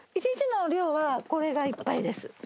１日の量はこれがいっぱいです。